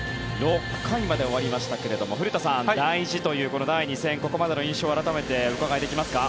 ６回まで終わりましたが古田さん、大事という第２戦ここまでの印象改めてお伺いできますか。